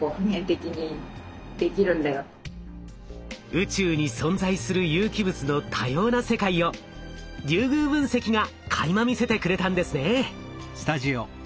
宇宙に存在する有機物の多様な世界をリュウグウ分析がかいま見せてくれたんですね。